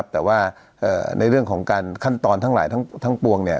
แต่ว่าในเรื่องของการขั้นตอนทั้งหลายทั้งปวง